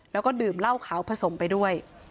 แล้วก็ดื่มเหล้าขาวผสมไปด้วย